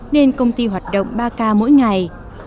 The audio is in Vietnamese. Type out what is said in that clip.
nên công ty hoạt động ba k mỗi ngày